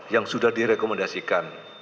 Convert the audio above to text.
yang sudah direkomendasikan